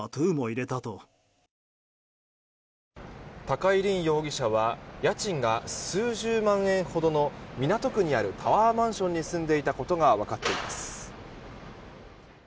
高井凜容疑者は家賃が数十万円ほどの港区にあるタワーマンションに住んでいたことが分かっています。